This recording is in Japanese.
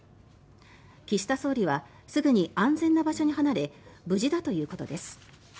岸田総理はすぐに安全な場所に離れ無事だということです。